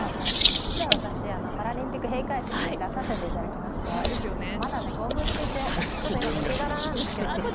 実は私パラリンピック閉会式に出させていただきましてまだ興奮していてちょっと今抜け殻なんですけども。